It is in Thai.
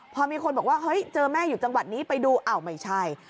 พอมีคนบอกว่าเฮ้ยเจอแม่อยู่จังหวัดนี้ไปดูอ้าวไม่ใช่